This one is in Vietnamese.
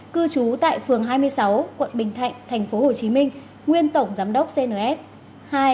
cư trú tại phường hai mươi sáu quận bình thạnh